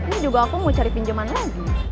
ini juga aku mau cari pinjaman lagi